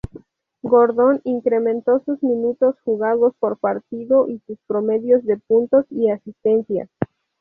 Gordon incrementó sus minutos jugados por partido y sus promedios de puntos y asistencias.